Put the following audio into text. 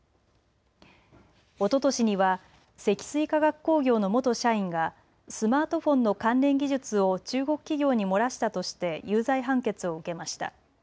おととしには積水化学工業の元社員がスマートフォンの関連技術を中国企業に漏らしたとして有罪判決を受けました。